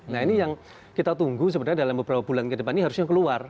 nah ini yang kita tunggu sebenarnya dalam beberapa bulan ke depan ini harusnya keluar